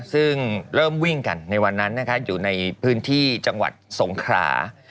ซึ่งเริ่มวิ่งกันในวันนั้นอยู่ในพื้นที่จังหวัดสงขรา